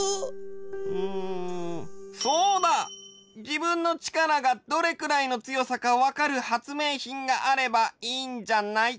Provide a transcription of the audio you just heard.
じぶんの力がどれくらいの強さかわかるはつめいひんがあればいいんじゃない？